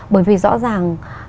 bởi vì rõ ràng